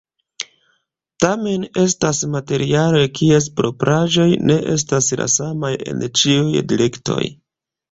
Tamen, estas materialoj kies propraĵoj ne estas la samaj en ĉiuj direktoj.